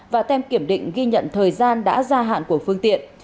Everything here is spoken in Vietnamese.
và tem kiểm định ghi nhận thời gian đã gia hạn của phương tiện